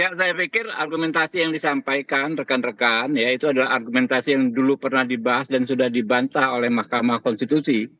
ya saya pikir argumentasi yang disampaikan rekan rekan ya itu adalah argumentasi yang dulu pernah dibahas dan sudah dibantah oleh mahkamah konstitusi